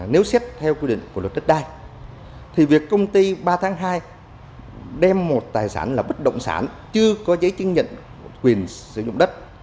nếu xét theo quy định của luật đất đai thì việc công ty ba tháng hai đem một tài sản là bất động sản chưa có giấy chứng nhận quyền sử dụng đất